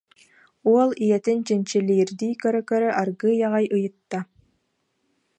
уол ийэтин чинчилиирдии көрө-көрө аргыый аҕай ыйытта